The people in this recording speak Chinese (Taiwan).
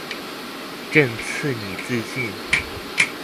朕賜你自盡